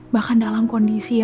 bahkan dalam kondisi